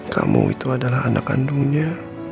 kamu itu adalah anak kandungnya